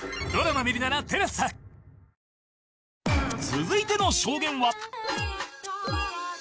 続いての証言は